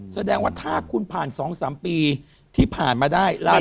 แสดงว่าถ้าคุณผ่าน๒๓ปีที่ผ่านมาได้ราศรีพิจิก